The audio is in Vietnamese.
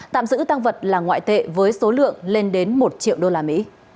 tạm giữ tăng vật là ngoại tệ với số lượng lên đến một triệu usd